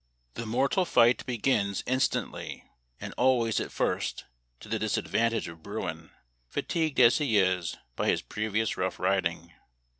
The mortal fight begins instantly, and always at first to the disadvantage of Bruin, fatigued as he is by his previous rough riding.